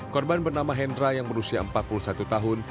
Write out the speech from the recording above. korban bernama hendra yang berusia empat puluh satu tahun